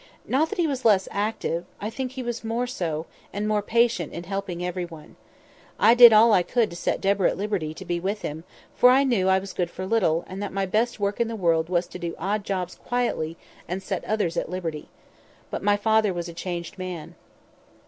Not that he was less active; I think he was more so, and more patient in helping every one. I did all I could to set Deborah at liberty to be with him; for I knew I was good for little, and that my best work in the world was to do odd jobs quietly, and set others at liberty. But my father was a changed man."